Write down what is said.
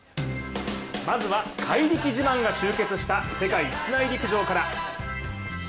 まずは怪力自慢が集結した世界室内陸上から。